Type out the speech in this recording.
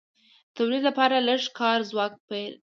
د تولید لپاره لږ کاري ځواک پېرل کېږي